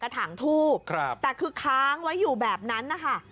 ถางทูบแต่คือค้างไว้อยู่แบบนั้นนะคะ